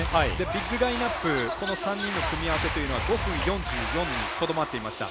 ビッグラインナップの組み合わせというのは５分４４にとどまっていました。